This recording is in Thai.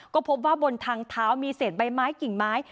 ก็พบว่าบนทางเท้ามีเศษใบไม้กิ่งไม้